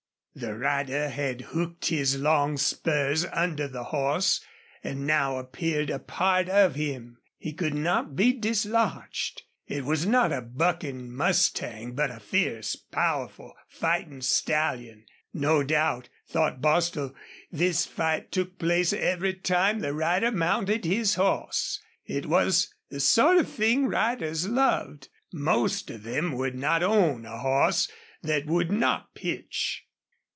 The rider had hooked his long spurs under the horse and now appeared a part of him. He could not be dislodged. This was not a bucking mustang, but a fierce, powerful, fighting stallion. No doubt, thought Bostil, this fight took place every time the rider mounted his horse. It was the sort of thing riders loved. Most of them would not own a horse that would not pitch.